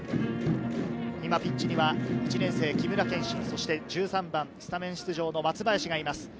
ピッチには１年生・木村憲慎、そして１３番・スタメン出場の松林がいます。